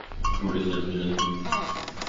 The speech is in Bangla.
বইটা কি আপনি রাখবেন?